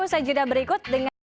usai juda berikut